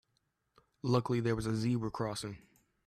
Luckily there was a zebra crossing.